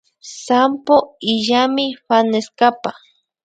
Sampo illanmi fanestapa